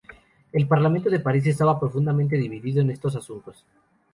El Parlamento de París estaba profundamente dividido en estos asuntos.